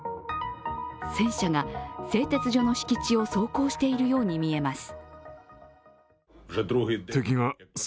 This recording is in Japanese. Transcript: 戦車が製鉄所の敷地を走行しているように見えます。